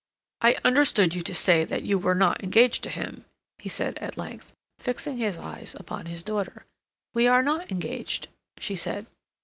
"I understood you to say that you were not engaged to him," he said at length, fixing his eyes upon his daughter. "We are not engaged," she said.